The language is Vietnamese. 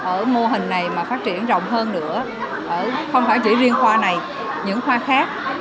ở mô hình này mà phát triển rộng hơn nữa không phải chỉ riêng khoa này những khoa khác